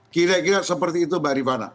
kira kira seperti itu mbak rifana